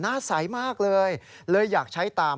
หน้าใสมากเลยเลยอยากใช้ตาม